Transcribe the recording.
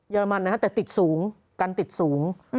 เยอรมนีแต่ติดสูงกันติดสูง